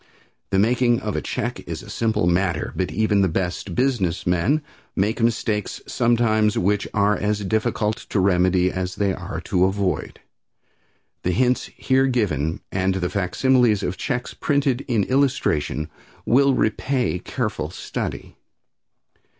The making of a check is a simple matter, but even the best business men make mistakes sometimes which are as difficult to remedy as they are easy to avoid. The hints here given and the facsimiles of checks printed in illustration will repay careful study.